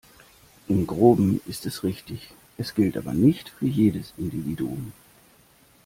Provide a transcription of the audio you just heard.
Im Groben ist es richtig, es gilt aber nicht für jedes Individuum.